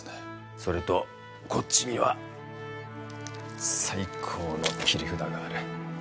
それとこっちには最高の切り札がある。